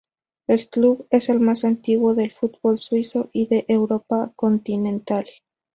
El club es el más antiguo del fútbol suizo y de Europa continental.